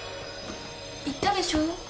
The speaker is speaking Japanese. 言ったでしょ？